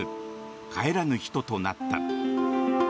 帰らぬ人となった。